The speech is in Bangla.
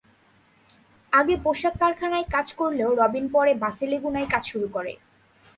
আগে পোশাক কারখানায় কাজ করলেও রবিন পরে বাসে-লেগুনায় কাজ শুরু করে।